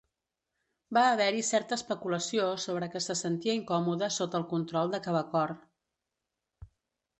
Va haver-hi certa especulació sobre que se sentia incòmode sota el control de Quebecor.